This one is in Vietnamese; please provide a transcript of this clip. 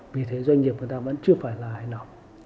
vì thế doanh nghiệp của ta vẫn chưa phải là ai nào